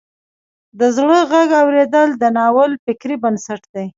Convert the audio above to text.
د زړه غږ اوریدل د ناول فکري بنسټ دی.